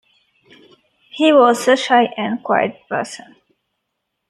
He was a shy and quiet person.